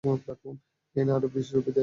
এই নে আরো বিশ রূপি দে।